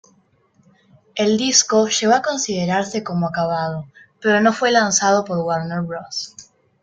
El disco llegó a considerarse como acabado, pero no fue lanzado por Warner Bros.